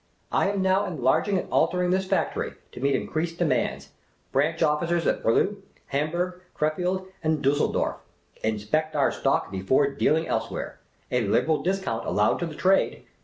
I am now en larging and altering this factory, to meet increased demands. Branch offices at Berlin, Hamburg, Crefeld, and Diisseldorf. Inspect our stock before dealing elsewhere. A liberal dis count allowed to the trade.